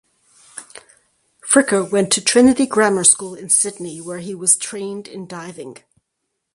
Fricker went to Trinity Grammar School in Sydney where he was trained in diving.